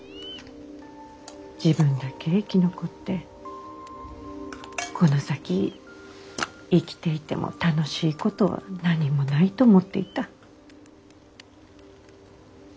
自分だけ生き残ってこの先生きていても楽しいことは何もないと思っていた。